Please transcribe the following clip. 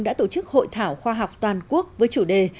đã tổ chức hội thảo khoa học toàn quốc với chủ đề